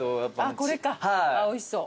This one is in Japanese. あっこれかおいしそう。